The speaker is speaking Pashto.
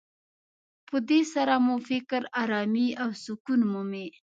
په دې سره مو فکر ارامي او سکون مومي.